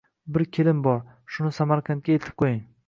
Bir kelin bor, shuni Samarqandgacha eltib qo‘ying